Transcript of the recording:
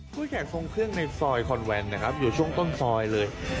คุณแขกทรงเครื่องในซอยคอนแวนอยู่ช่วงต้นซอยเลย